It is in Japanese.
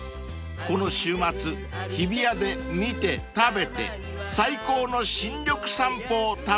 ［この週末日比谷で見て食べて最高の新緑散歩を楽しんでみては？］